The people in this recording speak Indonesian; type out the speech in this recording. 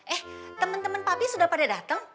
eh temen temen papi sudah pada datang